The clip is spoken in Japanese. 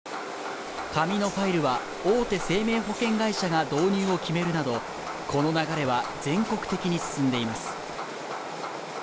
紙のファイルは、大手生命保険会社が導入を決めるなど、この流れは全国的に進んでいます。